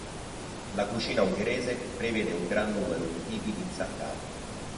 La cucina ungherese prevede un gran numero di tipi di insaccati.